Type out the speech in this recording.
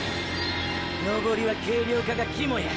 登りは軽量化がキモや。